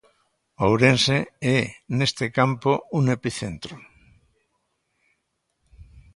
Ourense é neste campo un epicentro.